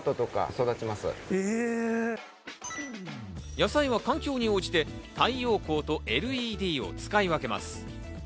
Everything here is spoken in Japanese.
野菜は環境に応じて、太陽光とＬＥＤを使い分けます。